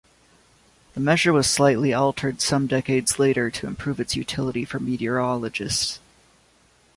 The measure was slightly altered some decades later to improve its utility for meteorologists.